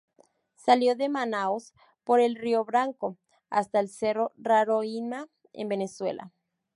Salió de Manaos por el río Branco hasta el cerro Roraima en Venezuela.